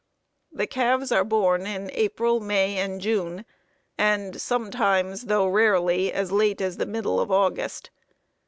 The calves are born in April, May, and June, and sometimes, though rarely, as late as the middle of August.